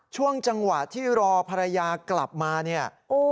ช่วงจังหวะที่รอภรรยากลับมาเนี่ย